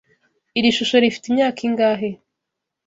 Iri shusho rifite imyaka ingahe?